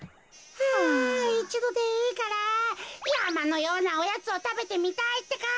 あいちどでいいからやまのようなおやつをたべてみたいってか。